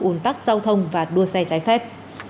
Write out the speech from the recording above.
ùn tắc giao thông và đua xe trái phép